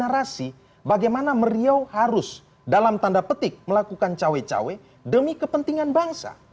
narasi bagaimana meriau harus dalam tanda petik melakukan cawe cawe demi kepentingan bangsa